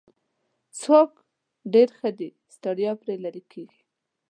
څښاک ډېر ښه دی ستړیا پرې لیرې کیږي.